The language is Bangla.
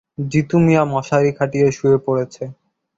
জিতু মিয়া মশারি খাটিয়ে শুয়ে পড়েছে।